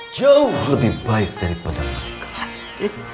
jauh lebih baik daripada mereka